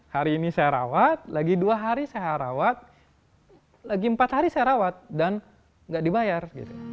hari ini saya rawat lagi dua hari saya rawat lagi empat hari saya rawat dan nggak dibayar